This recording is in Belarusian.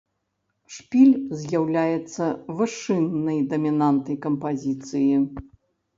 Шпіль з'яўляецца вышыннай дамінантай кампазіцыі.